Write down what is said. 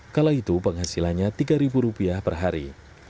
kala itu penghasilannya rp tiga per hari